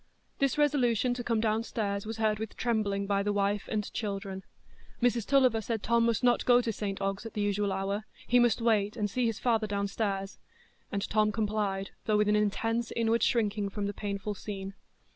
This resolution to come downstairs was heard with trembling by the wife and children. Mrs Tulliver said Tom must not go to St Ogg's at the usual hour, he must wait and see his father downstairs; and Tom complied, though with an intense inward shrinking from the painful scene.